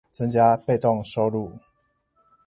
增加被動收入